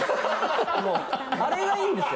もうあれがいいんですよ。